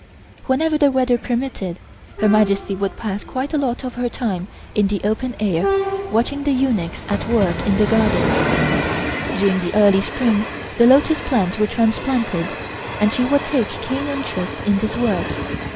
Whenever the weather permitted, Her Majesty would pass quite a lot of her time in the open air watching the eunuchs at work in the gardens. During the early Spring the lotus plants were transplanted and she would take keen interest in this work.